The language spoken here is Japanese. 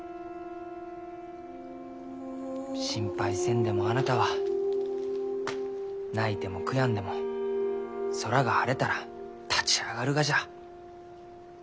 心配せんでもあなたは泣いても悔やんでも空が晴れたら立ち上がるがじゃ。